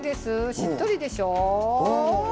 しっとりでしょう。